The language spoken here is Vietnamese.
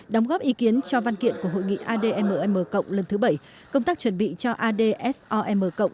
đóng góp ý kiến cho văn kiện của hội nghị admm cộng lần thứ bảy công tác chuẩn bị cho adsom